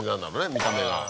見た目が。